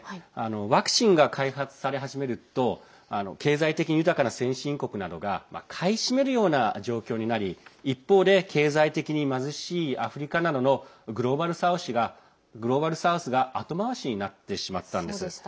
ワクチンが開発され始めると経済的に豊かな先進国などが買い占めるような状況になり一方で経済的に貧しいアフリカなどのグローバル・サウスが後回しになってしまったんです。